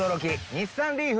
日産リーフ！